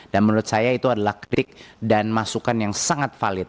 dan menurut saya itu adalah ketik dan masukan yang sangat valid